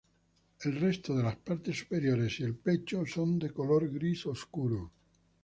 El resto de partes superiores y el pecho son de color gris oscuro.